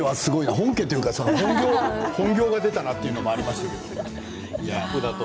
本家というか本業が出たなというのありますね。